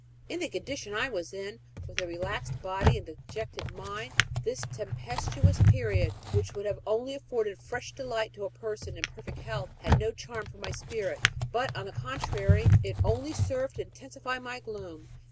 In the condition I was in, with a relaxed body and dejected mind, this tempestuous period, which would have only afforded fresh delight to a person in perfect health, had no charm for my spirit; but, on the contrary, it only served to intensify my gloom.